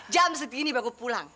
jam segini baru pulang